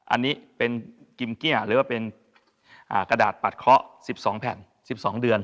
อันนี้เป็นกิมเกี้ยหรือว่าเป็นกระดาษปัดเคาะ๑๒แผ่น๑๒เดือน